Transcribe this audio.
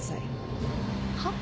はっ？